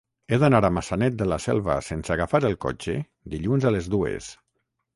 He d'anar a Maçanet de la Selva sense agafar el cotxe dilluns a les dues.